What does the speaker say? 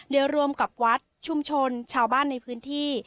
โดยรวมกับวัดชุมชนชาวบ้านในพื้นที่